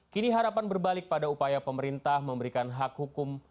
kini harapan berbalik pada upaya pemerintah memberikan hak hukum